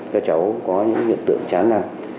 các cháu có những hiện tượng chán năng